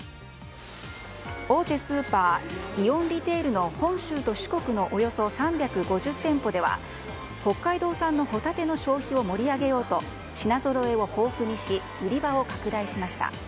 大手スーパーイオンリテールの本州と四国のおよそ３５０店舗では北海道産のホタテの消費を盛り上げようと品ぞろえを豊富にし売り場を拡大しました。